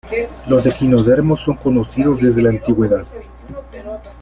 Los equinodermos son conocidos desde la antigüedad.